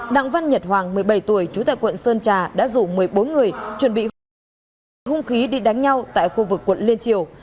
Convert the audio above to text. đặng văn nhật hoàng một mươi bảy tuổi trú tại quận sơn trà đã rủ một mươi bốn người chuẩn bị hung khí đi đánh nhau tại khu vực quận liên triều